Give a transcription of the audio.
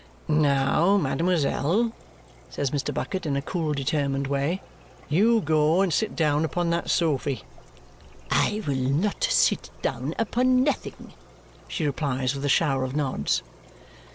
"Now, mademoiselle," says Mr. Bucket in a cool determined way, "you go and sit down upon that sofy." "I will not sit down upon nothing," she replies with a shower of nods.